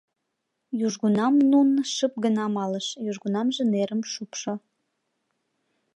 Южгунам Нунн шып гына малыш, южгунамже нерым шупшо.